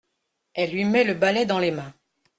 Elle lui met le balai dans les mains.